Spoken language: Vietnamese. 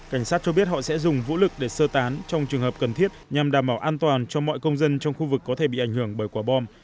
cảnh sát cho biết họ sẽ dùng vũ lực để sơ tán trong trường hợp cần thiết nhằm đảm bảo an toàn cho mọi công dân trong khu vực có thể bị ảnh hưởng bởi quả bom